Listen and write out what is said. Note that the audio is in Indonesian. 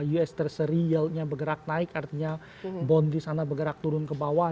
us treasury yieldnya bergerak naik artinya bond di sana bergerak turun ke bawah